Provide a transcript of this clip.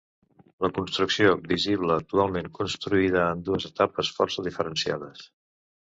La construcció visible actualment construïda en dues etapes força diferenciades.